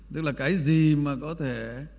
tức là cái gì mà có thể